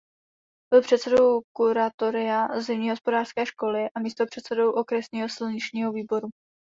Byl předsedou kuratoria zimní hospodářské školy a místopředsedou okresního silničního výboru.